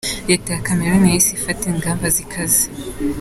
Leta ya Cameroun yahise ifata ingamba zikaze.